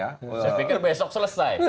saya pikir besok selesai